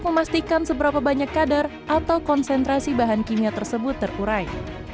memastikan seberapa banyak kadar atau konsentrasi bahan kimia tersebut terurai